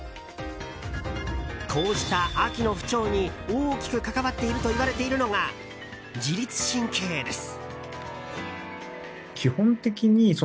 こうした秋の不調に大きく関わっているといわれているのが自律神経です。